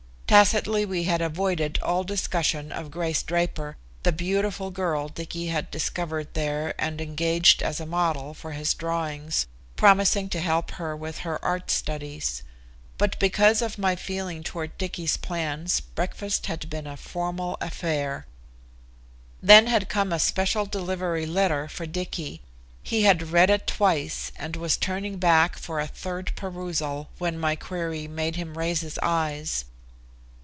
Tacitly we had avoided all discussion of Grace Draper, the beautiful girl Dicky had discovered there and engaged as a model for his drawings, promising to help her with her art studies. But because of my feeling toward Dicky's plans breakfast had been a formal affair. Then had come a special delivery letter for Dicky. He had read it twice, and was turning back for a third perusal when my query made him raise his eyes.